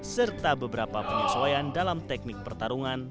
serta beberapa penyesuaian dalam teknik pertarungan